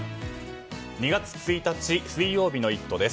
２月１日、水曜日の「イット！」です。